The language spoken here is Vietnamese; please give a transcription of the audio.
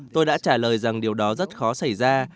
tôi đã trả lời rằng điều đó rất khó xảy ra